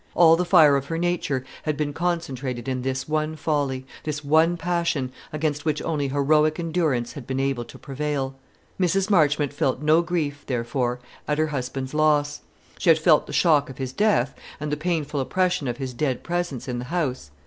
All the fire of her nature had been concentrated in this one folly, this one passion, against which only heroic endurance had been able to prevail. Mrs. Marchmont felt no grief, therefore, at her husband's loss. She had felt the shock of his death, and the painful oppression of his dead presence in the house.